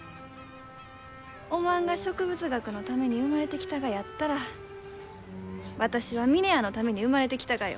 おまんが植物学のために生まれてきたがやったら私は峰屋のために生まれてきたがよ。